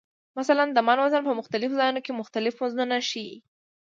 مثلا د "من" وزن په مختلفو ځایونو کې مختلف وزنونه ښیي.